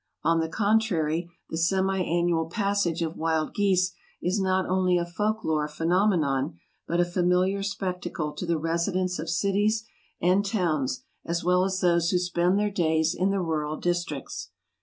On the contrary, the semi annual passage of wild geese is not only a folk lore phenomenon, but a familiar spectacle to the residents of cities and towns as well as those who spend their days in the rural districts.